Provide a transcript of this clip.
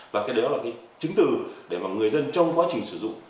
và cái đó là cái chứng từ để mà người dân trong quá trình sử dụng